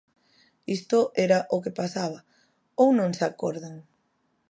Isto era o que pasaba, ¿ou non se acordan?